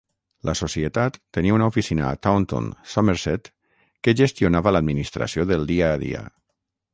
La Societat tenia una oficina a Taunton, Somerset, que gestionava l'administració del dia a dia.